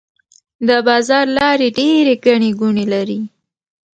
د بازار لارې ډيرې ګڼې ګوڼې لري.